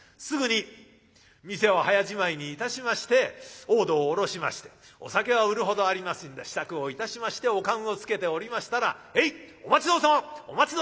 すぐに店を早じまいにいたしまして大戸を下ろしましてお酒は売るほどありますんで支度をいたしましておかんをつけておりましたら「へいお待ち遠さま。